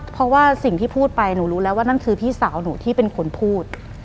เพราะว่าสิ่งที่พูดไปหนูรู้แล้วว่านั่นคือพี่สาวหนูที่เป็นคนพูด